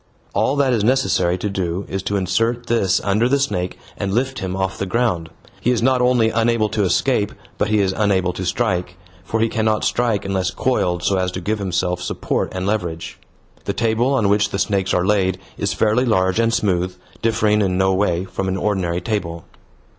All that is necessary to do is to insert this under the snake and lift him off the ground. He is not only unable to escape, but he is unable to strike, for he cannot strike unless coiled so as to give himself support and leverage. The table on which the snakes are laid is fairly large and smooth, differing in no way from an ordinary table.